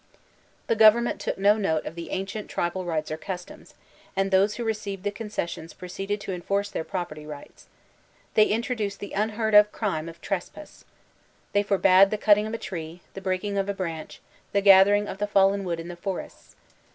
'' The government took no note of the ancient tribal rights or customs, and those who received the oonccssions The Mexican Revolution 259 p roceeded to enforce their property rights. They intro duced the unheard of crime of ''trespass/' They forbade the cutting of a tree, the breaking of a branch, the gather ing of the fallen wood in the forests.